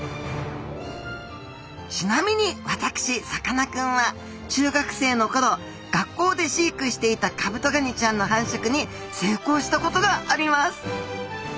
ちなみに私さかなクンは中学生の頃学校で飼育していたカブトガニちゃんの繁殖に成功したことがあります